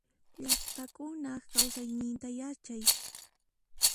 Llaqtakunaq kausayninta yachay.